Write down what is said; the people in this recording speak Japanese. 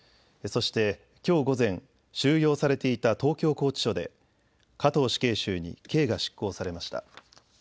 そして、きょう午前、収容されていた東京拘置所で加藤死刑囚に刑が執行されました。